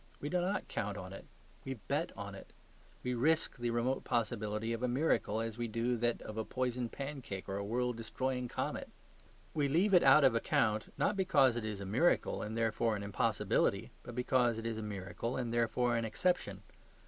We do not count on it; we bet on it. We risk the remote possibility of a miracle as we do that of a poisoned pancake or a world destroying comet. We leave it out of account, not because it is a miracle, and therefore an impossibility, but because it is a miracle, and therefore an exception.